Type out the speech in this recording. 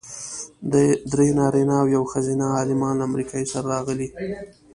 درې نارینه او یوه ښځینه عالمان له امریکې راسره راغلي.